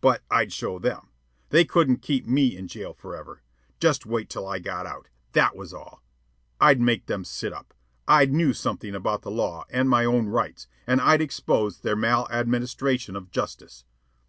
But I'd show them. They couldn't keep me in jail forever. Just wait till I got out, that was all. I'd make them sit up. I knew something about the law and my own rights, and I'd expose their maladministration of justice.